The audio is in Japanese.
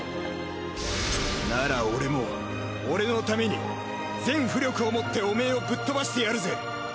なら俺も俺のために全巫力をもってオメエをぶっとばしてやるぜ。